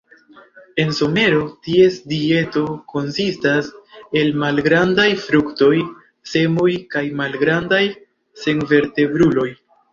En somero ties dieto konsistas el malgrandaj fruktoj, semoj kaj malgrandaj senvertebruloj.